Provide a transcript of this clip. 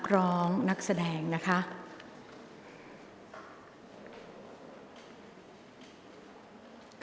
กรรมการท่านแรกนะคะได้แก่กรรมการใหม่เลขกรรมการขึ้นมาแล้วนะคะ